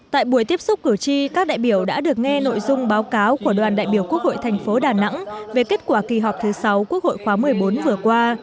tại buổi tiếp xúc cử tri các đại biểu đã được nghe nội dung báo cáo của đoàn đại biểu quốc hội thành phố đà nẵng về kết quả kỳ họp thứ sáu quốc hội khóa một mươi bốn vừa qua